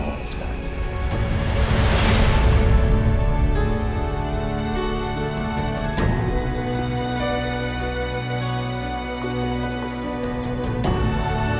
ya maksudnya aku sangat tersenyum